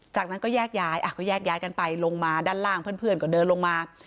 จากนั้นก็แยกย้ายก็แยกย้ายกันไปลงมาด้านล่างเพื่อนก็เดินลงมา